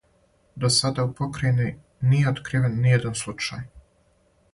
До сада у покрајини није откривен ниједан случај.